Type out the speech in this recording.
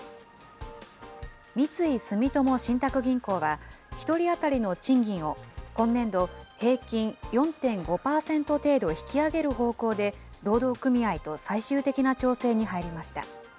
三井住友信託銀行は、１人当たりの賃金を今年度、平均４．５％程度引き上げる方向で労働組合と最終的な調整に入りました。